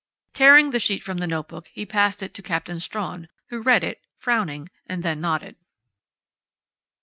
Tearing the sheet from the notebook, he passed it to Captain Strawn, who read it, frowning, and then nodded.